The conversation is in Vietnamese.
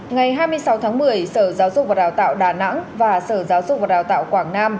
ngày hai mươi sáu tháng một mươi sở giáo dục và đào tạo đà nẵng và sở giáo dục và đào tạo quảng nam